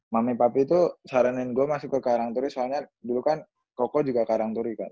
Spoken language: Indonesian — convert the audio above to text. mami papi tuh saranin gue masuk ke karangturi soalnya dulu kan koko juga karangturi kan